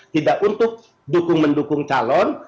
tidak untuk dukung mendukung calon